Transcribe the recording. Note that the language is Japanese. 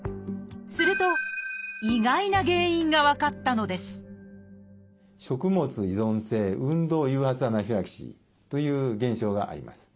すると意外な原因が分かったのですという現象があります。